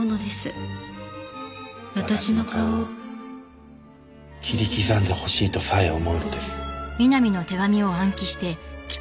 「私の顔を切り刻んでほしいとさえ思うのです」